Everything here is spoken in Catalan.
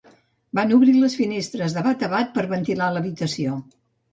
Van obrir les finestres de bat a bat per ventilar l'habitació.